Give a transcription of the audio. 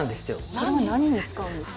それは何に使うんですか？